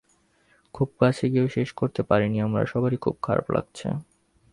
খুব কাছে গিয়েও শেষ করতে পারিনি আমরা, সবারই খুব খারাপ লাগছে।